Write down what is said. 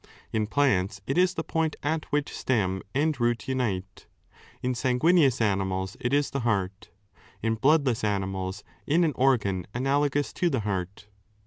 In plants it is the point at which stem and root unite ; in sanguineous animals, it is the heart ; in bloodless animals, in an organ 479 a analogous to the heart.